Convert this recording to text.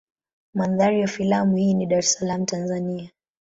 Mandhari ya filamu hii ni Dar es Salaam Tanzania.